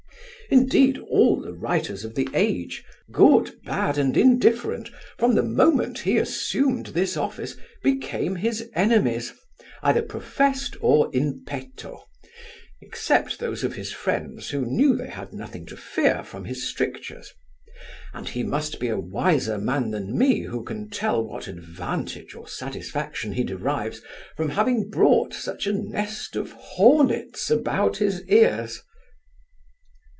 Indeed, all the writers of the age, good, bad, and indifferent, from the moment he assumed this office, became his enemies, either professed or in petto, except those of his friends who knew they had nothing to fear from his strictures; and he must be a wiser man than me who can tell what advantage or satisfaction he derives from having brought such a nest of hornets about his ears.